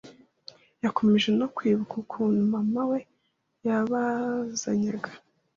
Yakomeje no kwibuka ukuntu Mama we yabazanyaga